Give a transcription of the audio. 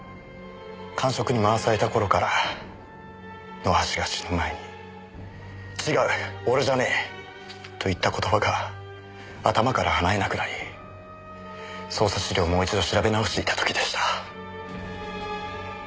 閑職に回された頃から野橋が死ぬ前に「違う俺じゃねえ！」と言った言葉が頭から離れなくなり捜査資料をもう一度調べ直していた時でした。